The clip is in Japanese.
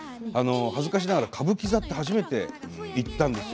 恥ずかしながら歌舞伎座って初めて行ったんですよ。